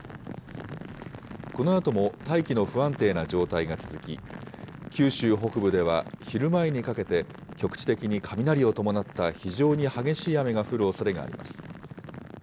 このあとも大気の不安定な状態が続き、九州北部では昼前にかけて局地的に雷を伴った非常に激しい雨が降るおそれがあります。